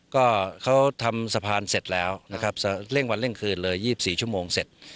ก็เขาทำสะพานเสร็จแล้วนะครับเร่งวันเร่งคืนเลย๒๔ชั่วโมงเสร็จ